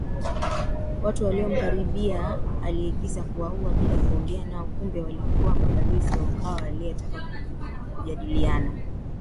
watatu waliomkaribia aliagiza kuwaua bila kuongea nao Kumbe walikuwa mabalozi wa Mkwawa aliyetaka kujadiliana